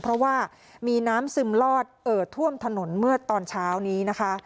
เพราะว่ามีน้ำซึมลอดเอ่อท่วมถนนเมื่อตอนเช้านี้นะคะ